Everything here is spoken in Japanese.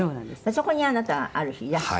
そこに、あなたがある日、いらした？